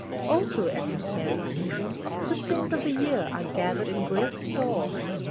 Also, at this merry season, good things of the year are gathered in in great store.